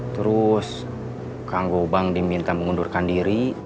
terus kang gobang diminta mengundurkan diri